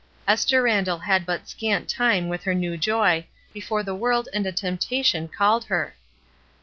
Esther Randall had but scant time with her new joy before the world and a temptation called her.